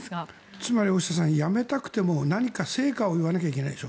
つまり、大下さんやめたくても何か成果を言わなきゃいけないでしょ。